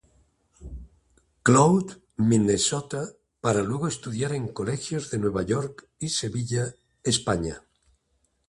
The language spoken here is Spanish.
Cloud, Minnesota, para luego estudiar en colegios de Nueva York y Sevilla, España.